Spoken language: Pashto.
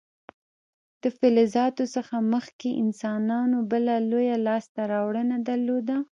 د فلزاتو څخه مخکې انسانانو بله لویه لاسته راوړنه درلوده.